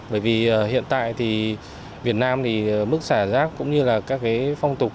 bởi vì hiện tại thì việt nam thì mức xả rác cũng như là các cái phong tục